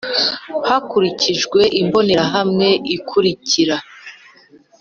Hakurikijwe imbonerahamwe ikurikira